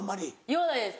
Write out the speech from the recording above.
言わないです